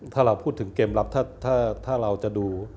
ถ้าเราพูดถึงเกมรับถ้าเราจะดู